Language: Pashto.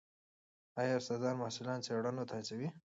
ایا استادان محصلان څېړنو ته هڅوي؟